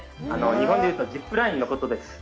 日本で言うとジップラインのことです。